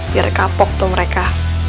biar kapok tuh mereka